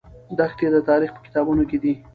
دښتې د تاریخ په کتابونو کې دي.